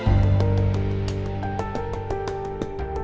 pergi dari sini